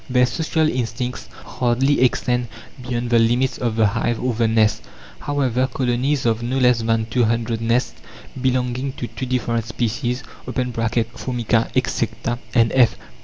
Their social instincts hardly extend beyond the limits of the hive or the nest. However, colonies of no less than two hundred nests, belonging to two different species (Formica exsecta and F.